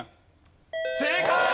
正解！